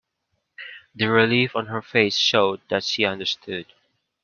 The relief on her face showed that she understood.